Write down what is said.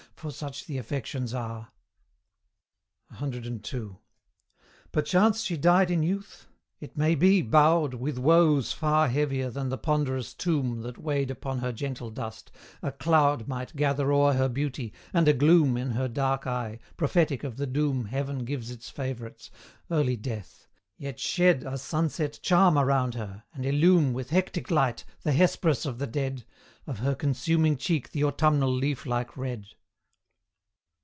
for such the affections are. CII. Perchance she died in youth: it may be, bowed With woes far heavier than the ponderous tomb That weighed upon her gentle dust, a cloud Might gather o'er her beauty, and a gloom In her dark eye, prophetic of the doom Heaven gives its favourites early death; yet shed A sunset charm around her, and illume With hectic light, the Hesperus of the dead, Of her consuming cheek the autumnal leaf like red.